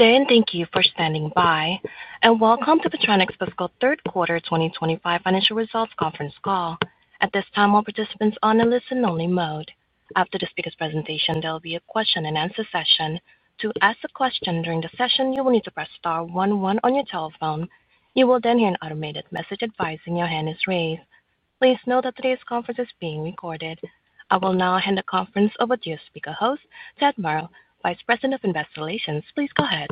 Thank you for standing by and welcome to the Photronics Fiscal Third Quarter 2025 Financial Results Conference Call. At this time, all participants are on a listen-only mode. After the speaker's presentation, there will be a question and answer session. To ask a question during the session, you will need to press star one one on your telephone. You will then hear an automated message advising your hand is raised. Please note that today's conference is being recorded. I will now hand the conference over to your speaker host, Ted Moreau, Vice President of Investor Relations. Please go ahead.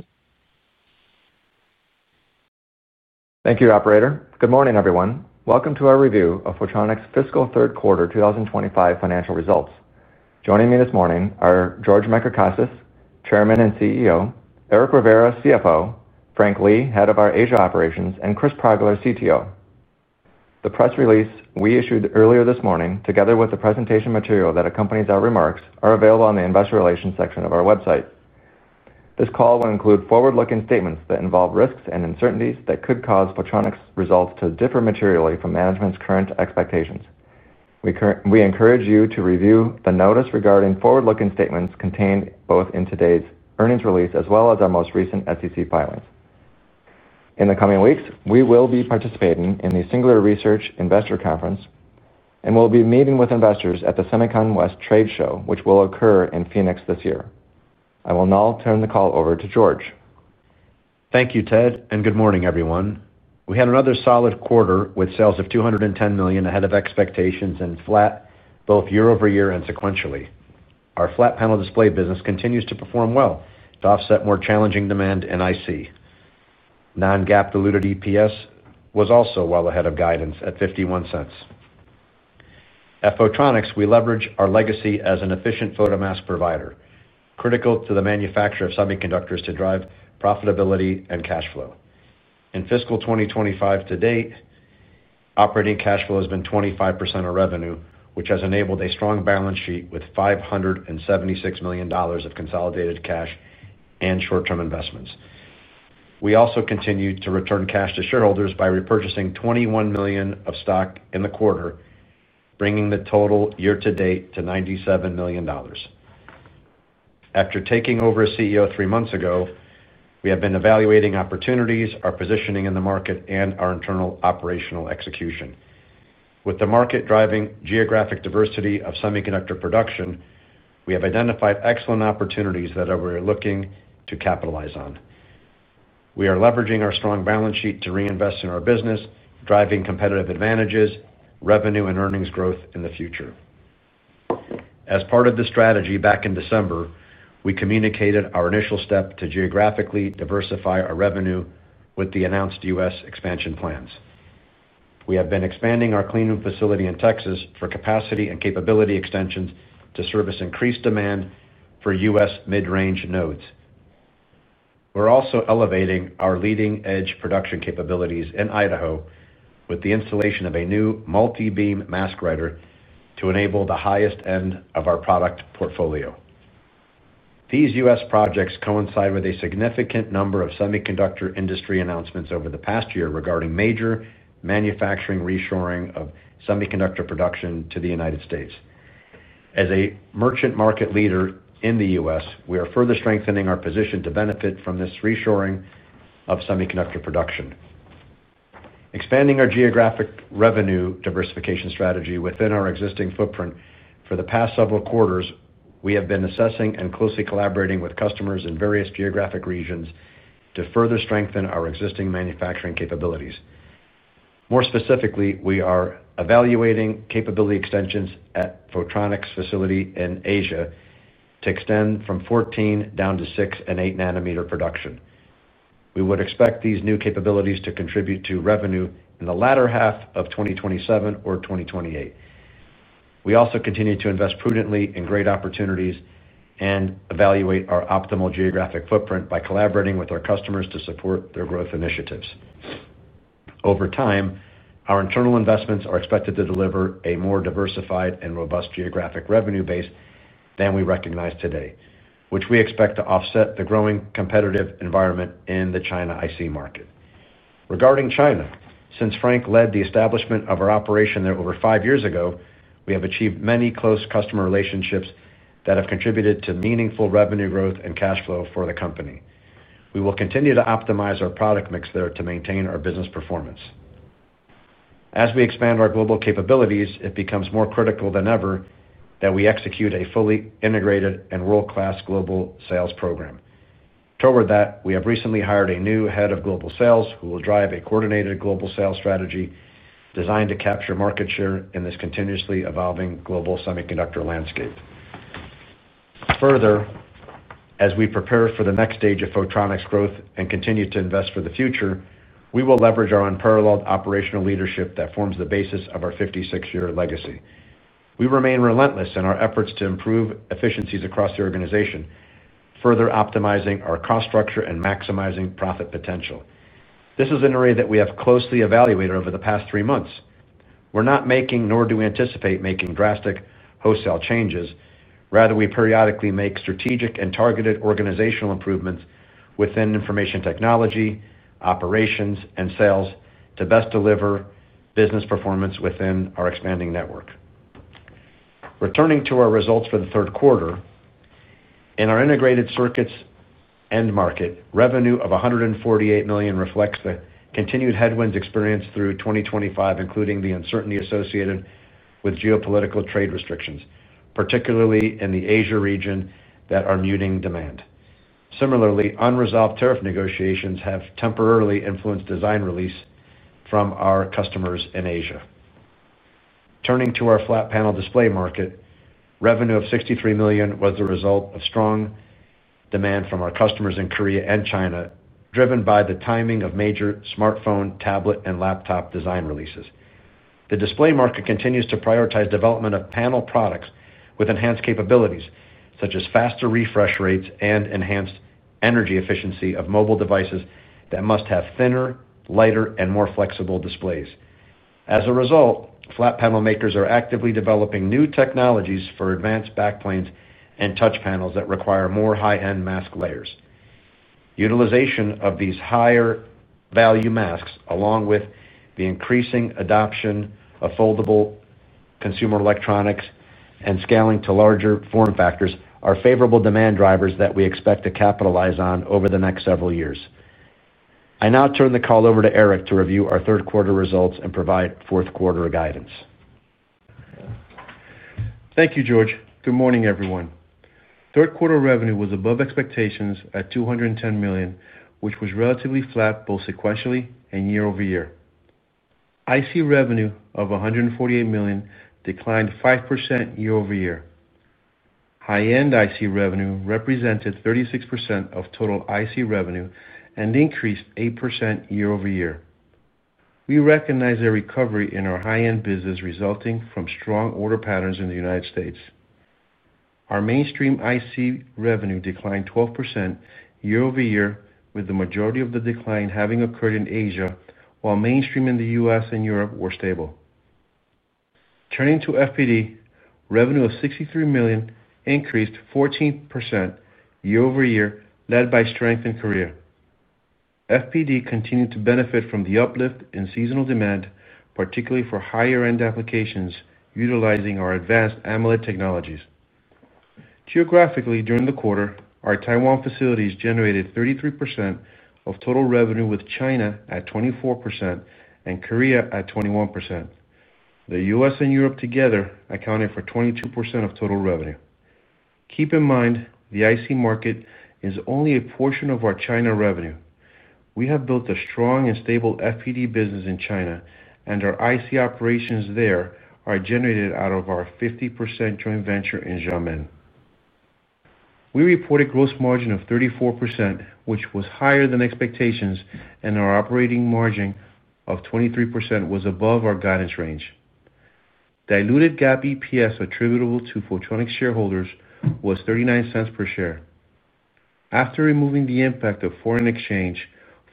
Thank you, Operator. Good morning, everyone. Welcome to our review of Photronics Fiscal Third Quarter 2025 Financial Results. Joining me this morning are George Macricostas, Chairman and CEO, Eric Rivera, CFO, Frank Lee, Head of our Asia Operations, and Chris Progler, CTO. The press release we issued earlier this morning, together with the presentation material that accompanies our remarks, is available on the Investor Relations section of our website. This call will include forward-looking statements that involve risks and uncertainties that could cause Photronics' results to differ materially from management's current expectations. We encourage you to review the notice regarding forward-looking statements contained both in today's earnings release as well as our most recent SEC filings. In the coming weeks, we will be participating in the Singular Research Investor Conference and will be meeting with investors at the SEMICON West trade show, which will occur in Phoenix this year. I will now turn the call over to George. Thank you, Ted, and good morning, everyone. We had another solid quarter with sales of $210 million ahead of expectations and flat both year-over-year and sequentially. Our flat panel display business continues to perform well to offset more challenging demand in IC. Non-GAAP diluted EPS was also well ahead of guidance at $0.51. At Photronics, we leverage our legacy as an efficient photomask provider, critical to the manufacture of semiconductors to drive profitability and cash flow. In fiscal 2025 to date, operating cash flow has been 25% of revenue, which has enabled a strong balance sheet with $576 million of consolidated cash and short-term investments. We also continue to return cash to shareholders by repurchasing $21 million of stock in the quarter, bringing the total year to date to $97 million. After taking over as CEO three months ago, we have been evaluating opportunities, our positioning in the market, and our internal operational execution. With the market driving geographic diversity of semiconductor production, we have identified excellent opportunities that we are looking to capitalize on. We are leveraging our strong balance sheet to reinvest in our business, driving competitive advantages, revenue, and earnings growth in the future. As part of the strategy back in December, we communicated our initial step to geographically diversify our revenue with the announced U.S. expansion plans. We have been expanding our cleanroom facility in Texas for capacity and capability extensions to service increased demand for U.S. mid-range nodes. We're also elevating our leading edge production capabilities in Idaho with the installation of a new multi-beam mask writer to enable the highest end of our product portfolio. These U.S. projects coincide with a significant number of semiconductor industry announcements over the past year regarding major manufacturing reshoring of semiconductor production to the United States. As a merchant market leader in the U.S., we are further strengthening our position to benefit from this reshoring of semiconductor production. Expanding our geographic revenue diversification strategy within our existing footprint for the past several quarters, we have been assessing and closely collaborating with customers in various geographic regions to further strengthen our existing manufacturing capabilities. More specifically, we are evaluating capability extensions at Photronics' facility in Asia to extend from 14-nm down to 6-nm and 8-nm production. We would expect these new capabilities to contribute to revenue in the latter half of 2027 or 2028. We also continue to invest prudently in great opportunities and evaluate our optimal geographic footprint by collaborating with our customers to support their growth initiatives. Over time, our internal investments are expected to deliver a more diversified and robust geographic revenue base than we recognize today, which we expect to offset the growing competitive environment in the China IC market. Regarding China, since Frank led the establishment of our operation there over five years ago, we have achieved many close customer relationships that have contributed to meaningful revenue growth and cash flow for the company. We will continue to optimize our product mix there to maintain our business performance. As we expand our global capabilities, it becomes more critical than ever that we execute a fully integrated and world-class global sales program. Toward that, we have recently hired a new Head of Global Sales who will drive a coordinated global sales strategy designed to capture market share in this continuously evolving global semiconductor landscape. Further, as we prepare for the next stage of Photronics' growth and continue to invest for the future, we will leverage our unparalleled operational leadership that forms the basis of our 56-year legacy. We remain relentless in our efforts to improve efficiencies across the organization, further optimizing our cost structure and maximizing profit potential. This is an area that we have closely evaluated over the past three months. We're not making, nor do we anticipate making, drastic wholesale changes. Rather, we periodically make strategic and targeted organizational improvements within information technology, operations, and sales to best deliver business performance within our expanding network. Returning to our results for the third quarter, in our integrated circuits end market, revenue of $148 million reflects the continued headwinds experienced through 2025, including the uncertainty associated with geopolitical trade restrictions, particularly in the Asia region that are muting demand. Similarly, unresolved tariff negotiations have temporarily influenced design release from our customers in Asia. Turning to our flat panel display market, revenue of $63 million was the result of strong demand from our customers in Korea and China, driven by the timing of major smartphone, tablet, and laptop design releases. The display market continues to prioritize the development of panel products with enhanced capabilities, such as faster refresh rates and enhanced energy efficiency of mobile devices that must have thinner, lighter, and more flexible displays. As a result, flat panel makers are actively developing new technologies for advanced backplanes and touch panels that require more high-end mask layers. Utilization of these higher-value masks, along with the increasing adoption of foldable consumer electronics and scaling to larger form factors, are favorable demand drivers that we expect to capitalize on over the next several years. I now turn the call over to Eric to review our third quarter results and provide fourth quarter guidance. Thank you, George. Good morning, everyone. Third quarter revenue was above expectations at $210 million, which was relatively flat both sequentially and year-over-year. IC revenue of $148 million declined 5% year-over-year. High-end IC revenue represented 36% of total IC revenue and increased 8% year-over-year. We recognize a recovery in our high-end business resulting from strong order patterns in the United States. Our mainstream IC revenue declined 12% year-over-year, with the majority of the decline having occurred in Asia, while mainstream in the U.S. and Europe were stable. Turning to FPD, revenue of $63 million increased 14% year-over-year, led by strength in Korea. FPD continued to benefit from the uplift in seasonal demand, particularly for higher-end applications utilizing our advanced AMOLED technologies. Geographically, during the quarter, our Taiwan facilities generated 33% of total revenue with China at 24% and Korea at 21%. The U.S. and Europe together accounted for 22% of total revenue. Keep in mind, the IC market is only a portion of our China revenue. We have built a strong and stable FPD business in China, and our IC operations there are generated out of our 50% joint venture in Xiamen. We reported a gross margin of 34%, which was higher than expectations, and our operating margin of 23% was above our guidance range. Diluted GAAP EPS attributable to Photronics shareholders was $0.39 per share. After removing the impact of foreign exchange,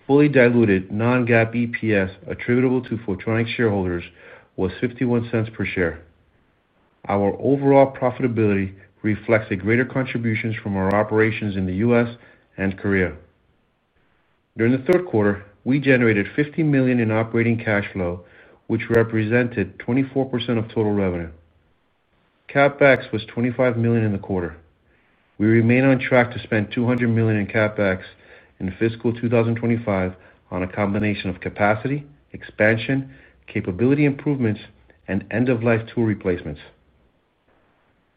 fully diluted non-GAAP EPS attributable to Photronics shareholders was $0.51 per share. Our overall profitability reflects the greater contributions from our operations in the U.S. and Korea. During the third quarter, we generated $50 million in operating cash flow, which represented 24% of total revenue. CapEx was $25 million in the quarter. We remain on track to spend $200 million in CapEx in fiscal 2025 on a combination of capacity, expansion, capability improvements, and end-of-life tool replacements.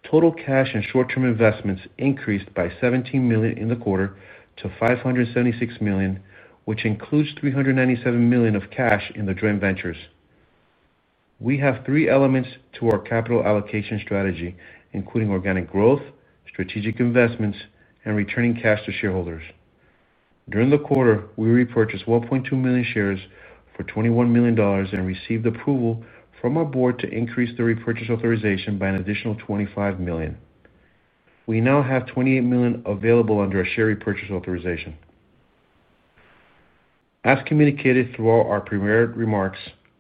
Total cash and short-term investments increased by $17 million in the quarter to $576 million, which includes $397 million of cash in the joint ventures. We have three elements to our capital allocation strategy, including organic growth, strategic investments, and returning cash to shareholders. During the quarter, we repurchased 1.2 million shares for $21 million and received approval from our board to increase the repurchase authorization by an additional $25 million. We now have $28 million available under a share repurchase authorization. As communicated throughout our premier remarks,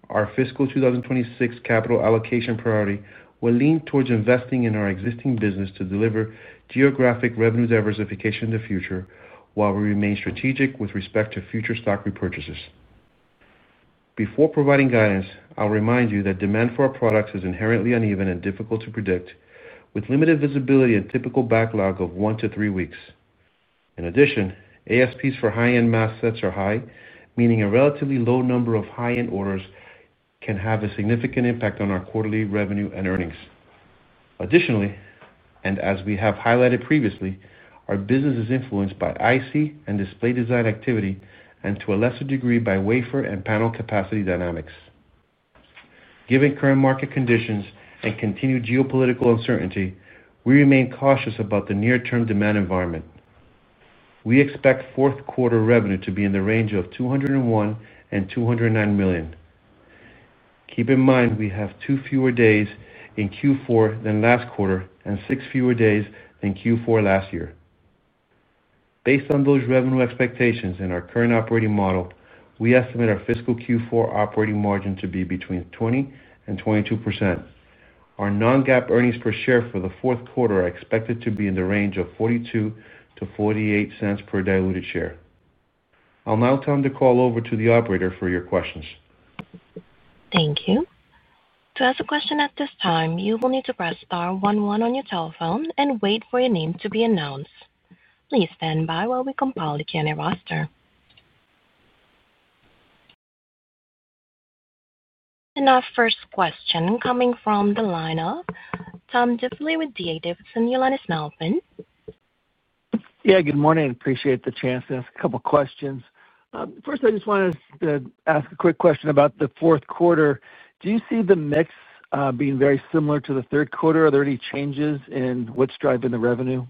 our fiscal 2026 capital allocation priority will lean towards investing in our existing business to deliver geographic revenue diversification in the future, while we remain strategic with respect to future stock repurchases. Before providing guidance, I'll remind you that demand for our products is inherently uneven and difficult to predict, with limited visibility and typical backlog of one to three weeks. In addition, ASPs for high-end mask sets are high, meaning a relatively low number of high-end orders can have a significant impact on our quarterly revenue and earnings. Additionally, as we have highlighted previously, our business is influenced by IC and display design activity, and to a lesser degree, by wafer and panel capacity dynamics. Given current market conditions and continued geopolitical uncertainty, we remain cautious about the near-term demand environment. We expect fourth quarter revenue to be in the range of $201 million and $209 million. Keep in mind, we have two fewer days in Q4 than last quarter and six fewer days than Q4 last year. Based on those revenue expectations and our current operating model, we estimate our fiscal Q4 operating margin to be between 20% and 22%. Our non-GAAP earnings per share for the fourth quarter are expected to be in the range of $0.42-$0.48 per diluted share. I'll now turn the call over to the Operator for your questions. Thank you. To ask a question at this time, you will need to press star 11 on your telephone and wait for your name to be announced. Please stand by while we compile the Q&A roster. Our first question coming from the lineup, Tom Diffely with D.A. Davidson your line is now open. Yeah, good morning. Appreciate the chance to ask a couple of questions. First, I just wanted to ask a quick question about the fourth quarter. Do you see the mix being very similar to the third quarter? Are there any changes in what's driving the revenue?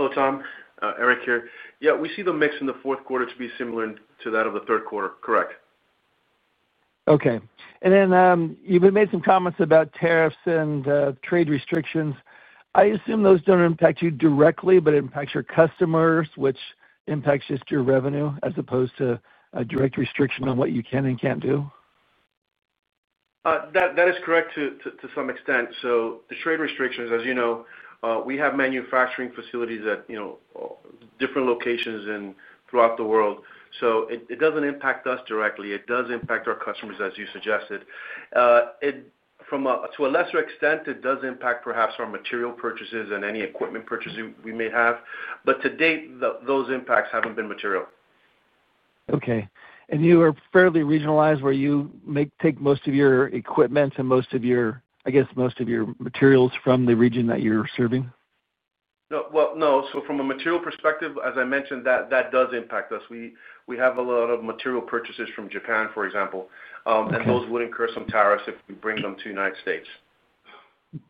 Hello, Tom. Eric here. Yeah, we see the mix in the fourth quarter to be similar to that of the third quarter. Correct. Okay. You made some comments about tariffs and trade restrictions. I assume those don't impact you directly, but it impacts your customers, which impacts just your revenue as opposed to a direct restriction on what you can and can't do? That is correct to some extent. The trade restrictions, as you know, we have manufacturing facilities at different locations throughout the world. It doesn't impact us directly. It does impact our customers, as you suggested. To a lesser extent, it does impact perhaps our material purchases and any equipment purchases we may have. To date, those impacts haven't been material. Okay. You are fairly regionalized, where you take most of your equipment and most of your, I guess, most of your materials from the region that you're serving? From a material perspective, as I mentioned, that does impact us. We have a lot of material purchases from Japan, for example, and those would incur some tariffs if we bring them to the United States.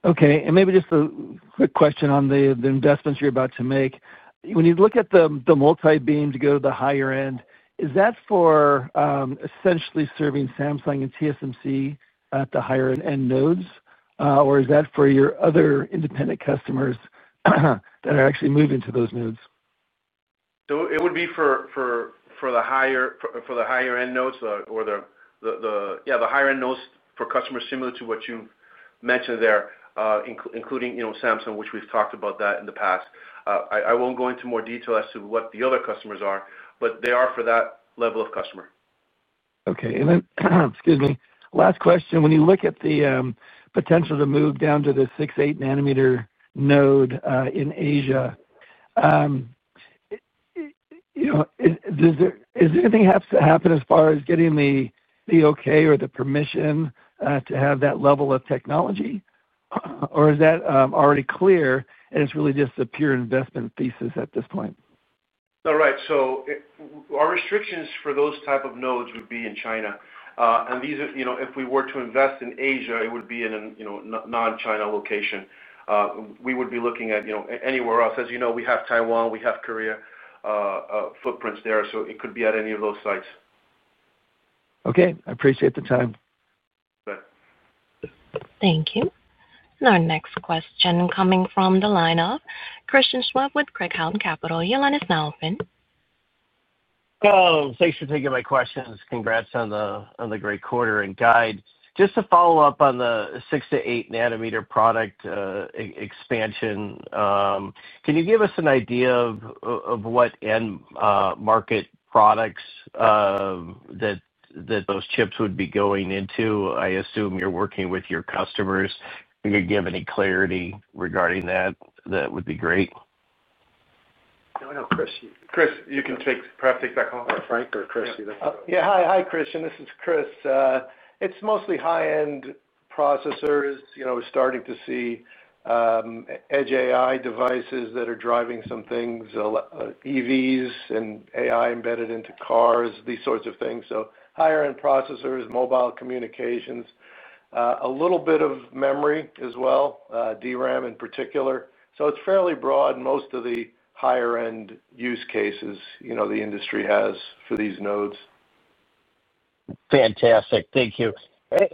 Okay. Maybe just a quick question on the investments you're about to make. When you look at the multibeams to go to the higher end, is that for essentially serving Samsung and TSMC at the higher-end nodes, or is that for your other independent customers that are actually moving to those nodes? It would be for the higher-end nodes, or the higher-end nodes for customers similar to what you mentioned there, including Samsung, which we've talked about in the past. I won't go into more detail as to what the other customers are, but they are for that level of customer. Okay. Excuse me, last question. When you look at the potential to move down to the 6 nm-8 nm node in Asia, is there anything that has to happen as far as getting the okay or the permission to have that level of technology, or is that already clear and it's really just a pure investment thesis at this point? All right. Our restrictions for those types of nodes would be in China. If we were to invest in Asia, it would be in a non-China location. We would be looking at anywhere else. As you know, we have Taiwan and Korea footprints there. It could be at any of those sites. Okay, I appreciate the time. Thank you. Our next question coming from the lineup, Christian Schwab with Craig-Hallum Capital. Your line is now open. Thanks for taking my questions. Congrats on the great quarter and guide. Just to follow up on the 6 nm-8 nm product expansion, can you give us an idea of what end market products that those chips would be going into? I assume you're working with your customers. If you could give any clarity regarding that, that would be great. I don't know. Chris, you can perhaps take that call. Frank or Chris, either. Hi, Chris. This is Chris. It's mostly high-end processors. We're starting to see edge AI devices that are driving some things, EVs and AI embedded into cars, these sorts of things. Higher-end processors, mobile communications, a little bit of memory as well, DRAM in particular. It's fairly broad, most of the higher-end use cases the industry has for these nodes. Fantastic. Thank you.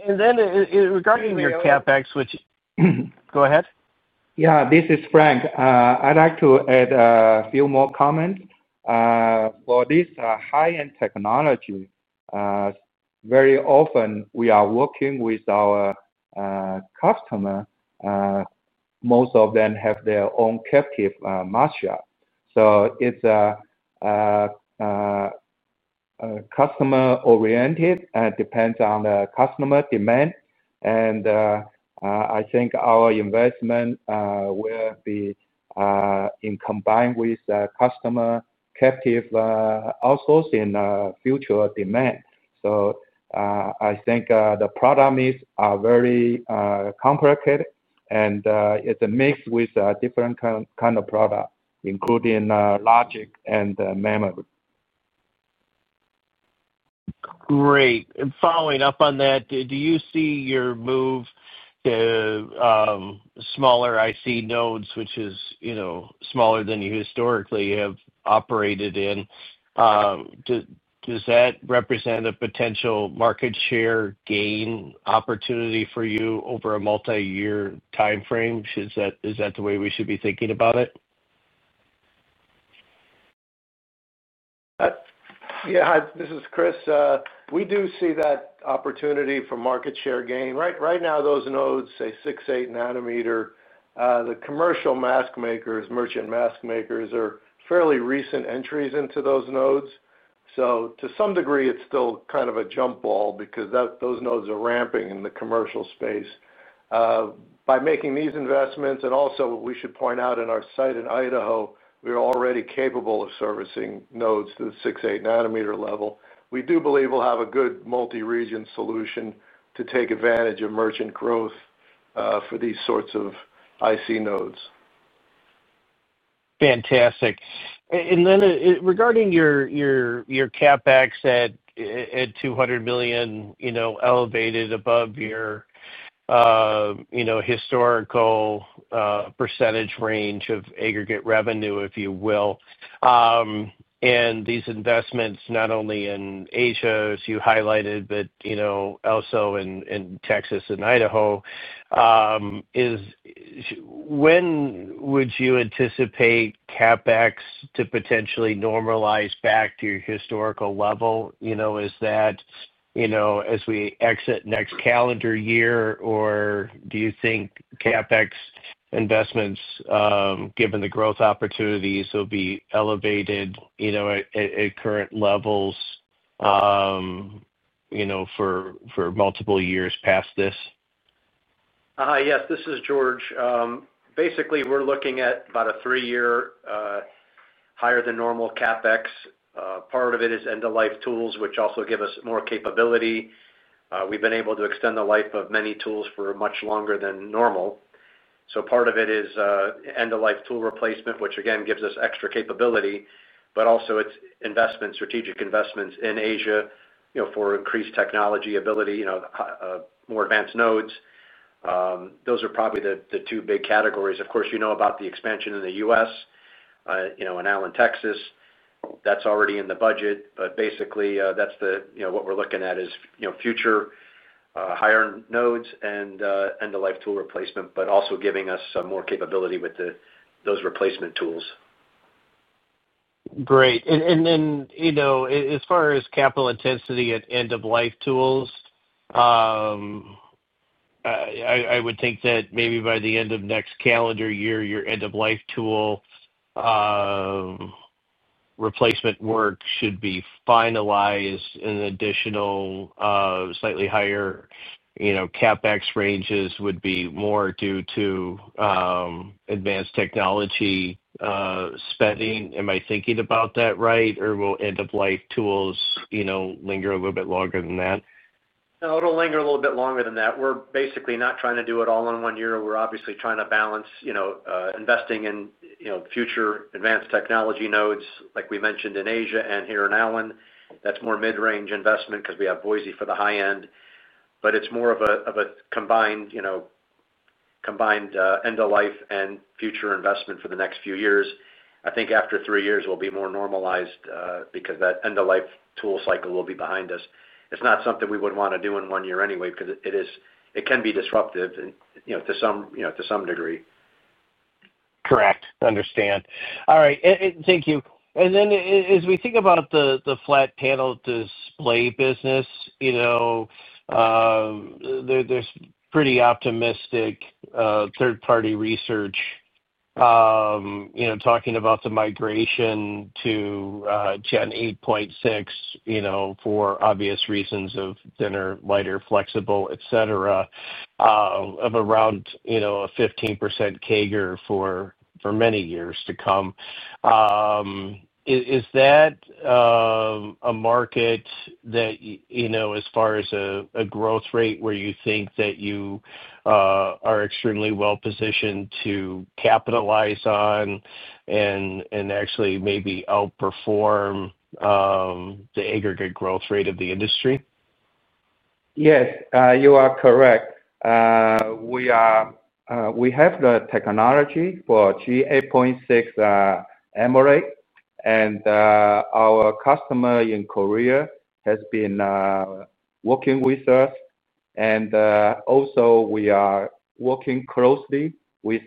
Regarding your CapEx, which, go ahead. Yeah, this is Frank. I'd like to add a few more comments. For this high-end technology, very often we are working with our customer. Most of them have their own captive market share. It is customer-oriented. It depends on the customer demand. I think our investment will be combined with customer captive outsourcing future demand. I think the product needs are very complicated, and it's a mix with different kinds of products, including logic and memory. Great. Following up on that, do you see your move to smaller IC nodes, which is, you know, smaller than you historically have operated in? Does that represent a potential market share gain opportunity for you over a multi-year timeframe? Is that the way we should be thinking about it? Yeah. Hi, this is Chris. We do see that opportunity for market share gain. Right now, those nodes, say 6 nm-8 nm, the commercial mask makers, merchant mask makers, are fairly recent entries into those nodes. To some degree, it's still kind of a jump ball because those nodes are ramping in the commercial space. By making these investments, and also what we should point out in our site in Idaho, we are already capable of servicing nodes to the 6 nm-8 nm level. We do believe we'll have a good multi-region solution to take advantage of merchant growth for these sorts of IC nodes. Fantastic. Regarding your CapEx at $200 million, elevated above your historical percentage range of aggregate revenue, if you will, these investments not only in Asia, as you highlighted, but also in Texas and Idaho. When would you anticipate CapEx to potentially normalize back to your historical level? Is that as we exit next calendar year, or do you think CapEx investments, given the growth opportunities, will be elevated at current levels for multiple years past this? Yes, this is George. Basically, we're looking at about a three-year higher-than-normal CapEx. Part of it is end-of-life tools, which also give us more capability. We've been able to extend the life of many tools for much longer than normal. Part of it is end-of-life tool replacement, which again gives us extra capability. Also, it's strategic investments in Asia for increased technology ability, more advanced nodes. Those are probably the two big categories. Of course, you know about the expansion in the U.S., in Allen, Texas. That's already in the budget. Basically, what we're looking at is future higher nodes and end-of-life tool replacement, also giving us some more capability with those replacement tools. Great. As far as capital intensity at end-of-life tools, I would think that maybe by the end of next calendar year, your end-of-life tool replacement work should be finalized, and the additional slightly higher CapEx ranges would be more due to advanced technology spending. Am I thinking about that right, or will end-of-life tools linger a little bit longer than that? No, it'll linger a little bit longer than that. We're basically not trying to do it all in one year. We're obviously trying to balance investing in future advanced technology nodes, like we mentioned in Asia and here in Allen. That's more mid-range investment because we have Boise for the high end. It's more of a combined end-of-life and future investment for the next few years. I think after three years, it will be more normalized because that end-of-life tool cycle will be behind us. It's not something we would want to do in one year anyway because it can be disruptive to some degree. Correct. Thank you. As we think about the flat panel display business, there's pretty optimistic third-party research talking about the migration to 8.6G for obvious reasons of thinner, lighter, flexible, etc., of around a 15% CAGR for many years to come. Is that a market that, as far as a growth rate, you think that you are extremely well positioned to capitalize on and actually maybe outperform the aggregate growth rate of the industry? Yes, you are correct. We have the technology for 8.6G AMOLED, and our customer in Korea has been working with us. We are working closely with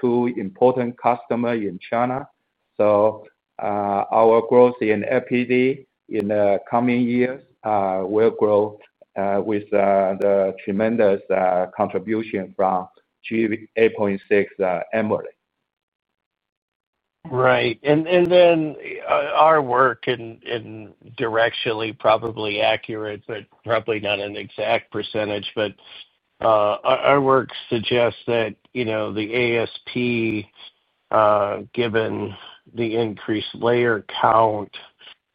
two important customers in China. Our growth in FPD in the coming years will grow with the tremendous contribution from 8.6G AMOLED. Right. Our work is directionally probably accurate, but probably not an exact percentage. Our work suggests that the ASP, given the increased layer count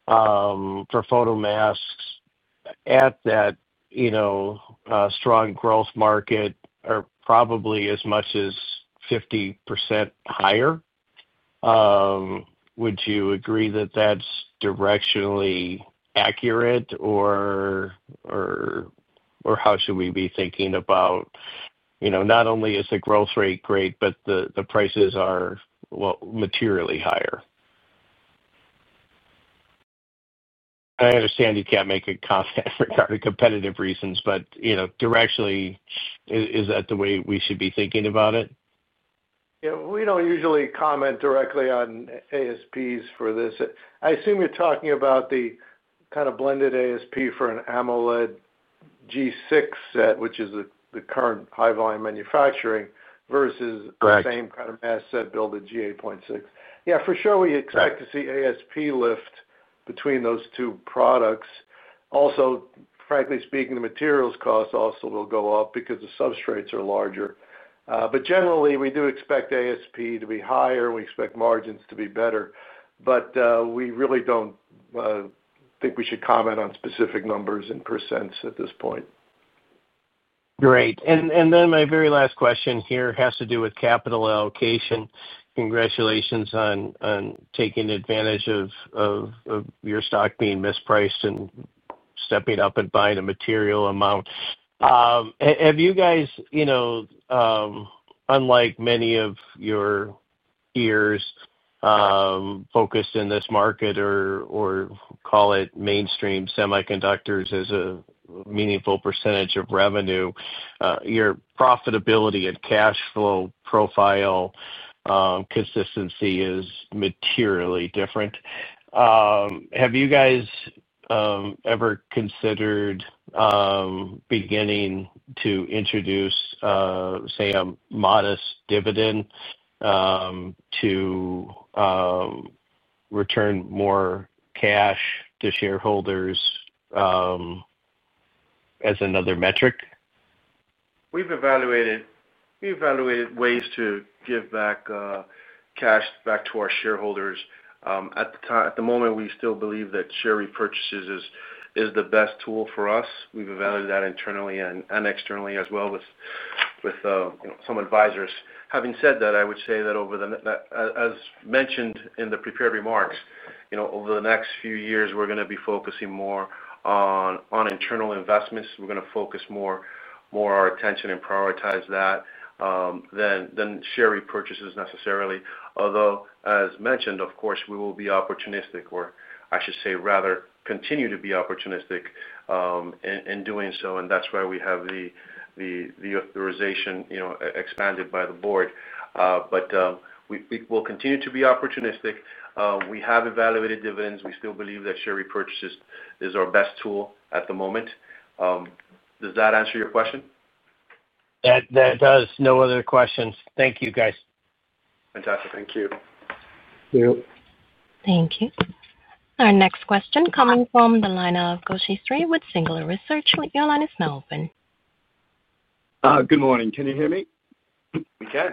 for photomasks at that strong growth market, are probably as much as 50% higher. Would you agree that that's directionally accurate, or how should we be thinking about, not only is the growth rate great, but the prices are materially higher? I understand you can't make a comment regarding competitive reasons, but directionally, is that the way we should be thinking about it? Yeah, we don't usually comment directly on ASPs for this. I assume you're talking about the kind of blended ASP for an AMOLED 6G set, which is the current high-volume manufacturing versus the same kind of mass set built at 8.6G. Yeah, for sure, we expect to see ASP lift between those two products. Also, frankly speaking, the materials cost also will go up because the substrates are larger. Generally, we do expect ASP to be higher, and we expect margins to be better. We really don't think we should comment on specific numbers and percent at this point. Great. My very last question here has to do with capital allocation. Congratulations on taking advantage of your stock being mispriced and stepping up and buying a material amount. Have you guys, unlike many of your peers focused in this market or call it mainstream semiconductors as a meaningful percentage of revenue, your profitability and cash flow profile consistency is materially different. Have you guys ever considered beginning to introduce, say, a modest dividend to return more cash to shareholders as another metric? We've evaluated ways to give cash back to our shareholders. At the moment, we still believe that share repurchases is the best tool for us. We've evaluated that internally and externally as well with some advisors. Having said that, as mentioned in the prepared remarks, over the next few years, we're going to be focusing more on internal investments. We're going to focus more of our attention and prioritize that than share repurchases necessarily. Although, as mentioned, of course, we will be opportunistic, or I should say rather continue to be opportunistic in doing so. That is why we have the authorization expanded by the board. We will continue to be opportunistic. We have evaluated dividends. We still believe that share repurchases is our best tool at the moment. Does that answer your question? That does. No other questions. Thank you, guys. Fantastic. Thank you. Thank you. Our next question coming from the line of Gowshihan Sriharan with Singular Research your line is now open. Good morning. Can you hear me? We can.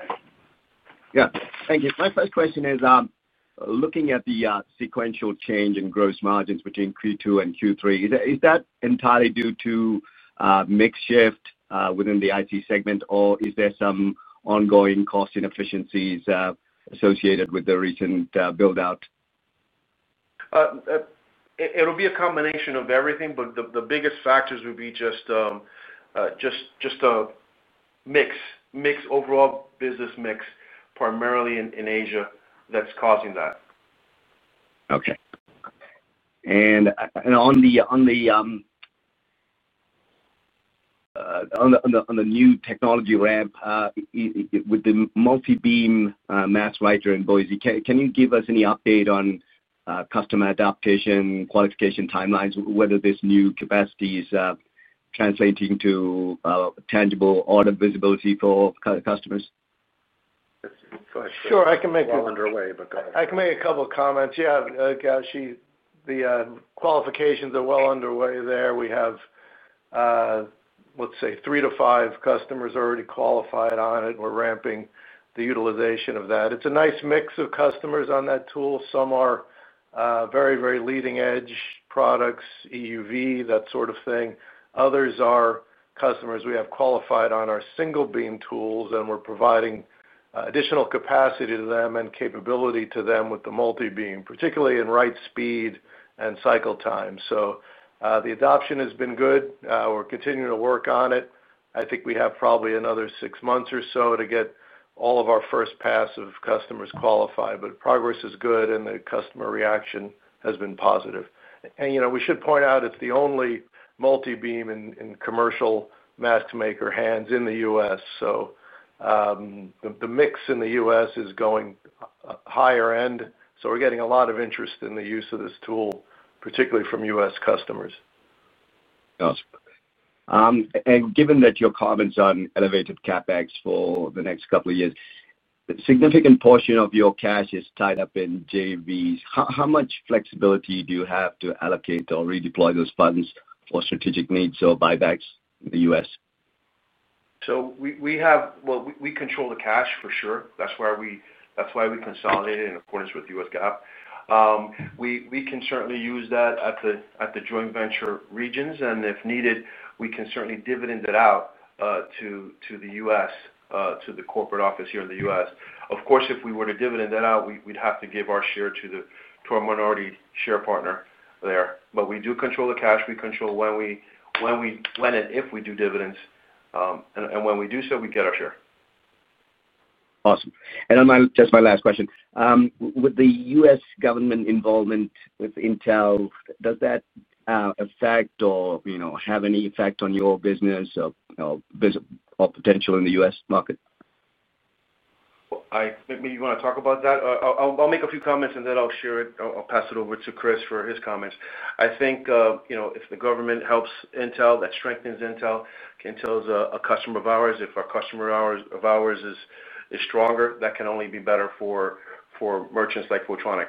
Thank you. My first question is, looking at the sequential change in gross margins between Q2 and Q3, is that entirely due to mix shift within the IC segment, or is there some ongoing cost inefficiencies associated with the recent buildout? It'll be a combination of everything, but the biggest factors would be just a mixed overall business mix, primarily in Asia, that's causing that. Okay. On the new technology lab with the multi-beam mask writer in Boise, can you give us any update on customer adaptation, qualification timelines, whether this new capacity is translating to tangible audit visibility for customers? Sure. I can make a couple of comments. The qualifications are well underway there. We have, let's say, three to five customers already qualified on it. We're ramping the utilization of that. It's a nice mix of customers on that tool. Some are very, very leading-edge products, EUV, that sort of thing. Others are customers we have qualified on our single-beam tools, and we're providing additional capacity to them and capability to them with the multi-beam, particularly in write speed and cycle time. The adoption has been good. We're continuing to work on it. I think we have probably another six months or so to get all of our first pass of customers qualified, but progress is good and the customer reaction has been positive. We should point out it's the only multi-beam in commercial mask maker hands in the U.S. The mix in the U.S. is going higher end. We're getting a lot of interest in the use of this tool, particularly from U.S. customers. Gotcha. Given your comments on elevated CapEx for the next couple of years, a significant portion of your cash is tied up in JVs. How much flexibility do you have to allocate or redeploy those funds for strategic needs or buybacks in the U.S.? We control the cash for sure. That's why we consolidated in accordance with U.S. GAAP. We can certainly use that at the joint venture regions, and if needed, we can certainly dividend it out to the U.S., to the corporate office here in the U.S. Of course, if we were to dividend that out, we'd have to give our share to our minority share partner there. We do control the cash. We control when and if we do dividends, and when we do so, we get our share. Awesome. Just my last question. With the U.S. government involvement with Intel, does that affect or have any effect on your business or potential in the U.S. market? I think maybe you want to talk about that. I'll make a few comments and then I'll share it. I'll pass it over to Chris for his comments. I think, you know, if the government helps Intel, that strengthens Intel. Intel is a customer of ours. If our customer of ours is stronger, that can only be better for merchants like Photronics.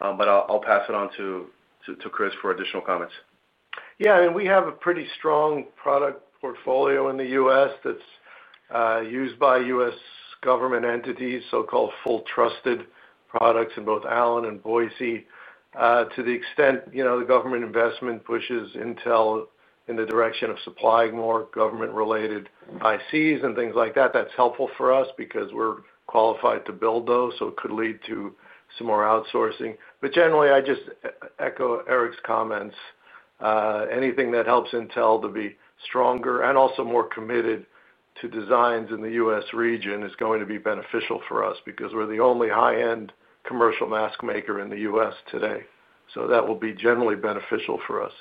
I'll pass it on to Chris for additional comments. Yeah, I mean, we have a pretty strong product portfolio in the U.S. that's used by U.S. government entities, so-called full trusted products in both Allen and Boise. To the extent, you know, the government investment pushes Intel in the direction of supplying more government-related ICs and things like that, that's helpful for us because we're qualified to build those. It could lead to some more outsourcing. Generally, I just echo Eric's comments. Anything that helps Intel to be stronger and also more committed to designs in the U.S. region is going to be beneficial for us because we're the only high-end commercial mask maker in the U.S. today. That will be generally beneficial for us.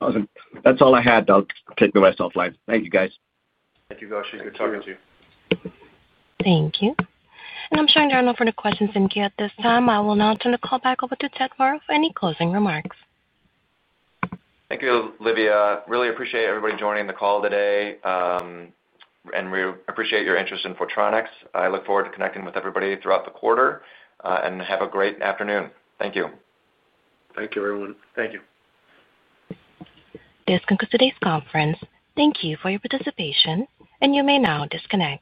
Awesome. That's all I had. I'll take the rest offline. Thank you, guys. Thank you, Goshi. Good talking to you. Thank you. I'm showing there are no further questions in here at this time. I will now turn the call back over to Ted Moreau for any closing remarks. Thank you, [Livia]. Really appreciate everybody joining the call today. We appreciate your interest in Photronics. I look forward to connecting with everybody throughout the quarter. Have a great afternoon. Thank you. Thank you, everyone. Thank you. This concludes today's conference. Thank you for your participation, and you may now disconnect.